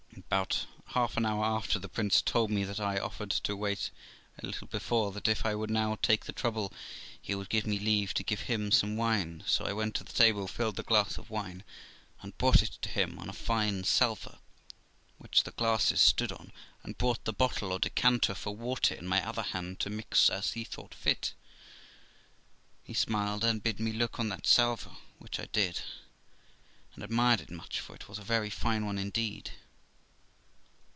About half an hour after, the prince told me that I offered to wait a little before, that if I would now take the trouble he would give me leave to give him some wine ; so I went to the table, filled a glass of wine, and brought it to him on a fine salver, which the glasses stood on, and brought the bottle or decanter for wa^er in my other hand, to mix as he thought fit. He smiled, and bid me look on that salver, which I did, and admired it much, for it was a very fine one indeed.